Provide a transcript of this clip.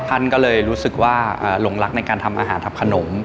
ท่านก็เลยรู้สึกว่าหลงรักในการทำอาหารทำขนม